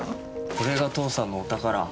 これが父さんのお宝。